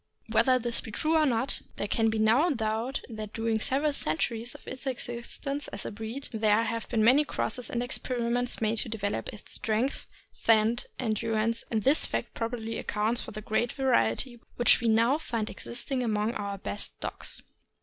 Whether this be true or not, there can be no doubt that during the several centuries of its existence as a breed there have been many crosses and experiments made to develop its strength, scent, and endurance, and this fact probably accounts for the great variety which we now find existing among our best dogs.